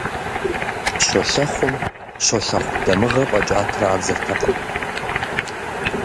Щолэхъум «щолэхъу дамыгъэ» фӀэкӀа традзэртэкъым.